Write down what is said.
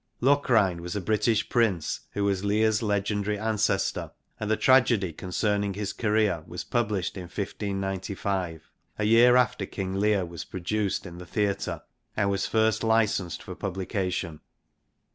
Locrine was a British prince, who was Lear's legendary ancestor, and the tragedy concerning his career was published in (59]}} a year after King Le'ir was produced in the theatre and was first licensed for publication.